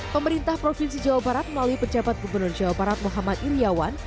pemerintah provinsi jawa barat melalui pejabat gubernur jawa barat muhammad iryawan